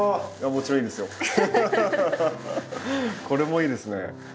これもいいですね。